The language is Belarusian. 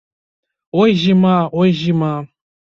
Ой, зіма, ой, зіма!